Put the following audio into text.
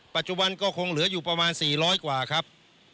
ปัจจุบันก็คงเหลืออยู่ประมาณ๔๐๐กว่าครับ